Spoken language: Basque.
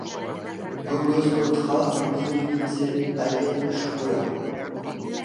Gogoz kontra hurbildu nintzen haien txokora.